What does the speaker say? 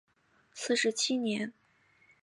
四十七年。